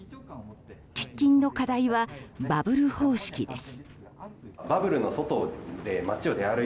喫緊の課題はバブル方式です。